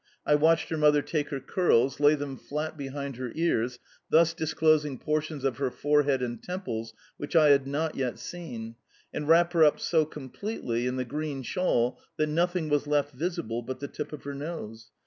I watched her mother take her curls, lay them flat behind her ears (thus disclosing portions of her forehead and temples which I had not yet seen), and wrap her up so completely in the green shawl that nothing was left visible but the tip of her nose.